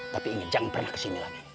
tapi ingat jangan pernah kesini lagi